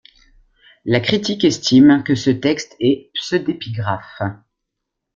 La critique estime que ce texte est pseudépigraphe.